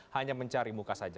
hanya mencari muka saja